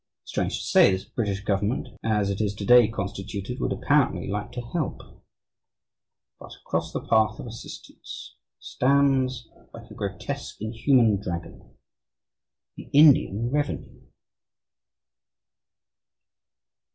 Strange to say, this British government, as it is to day constituted, would apparently like to help. But, across the path of assistance stands, like a grotesque, inhuman dragon, the Indian Revenue.